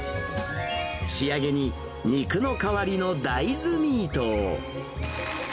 仕上げに肉の代わりの大豆ミートを。